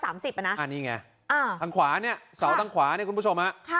อันนี้ไงสาวทางขวานี่คุณผู้ชม